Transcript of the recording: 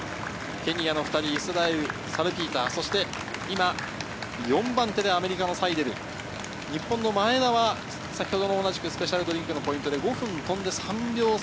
ケニアの２人、イスラエルのサルピーター、そして今、４番手でアメリカのサイデル、日本の前田はスペシャルドリンクのポイントで５分とんで３秒差。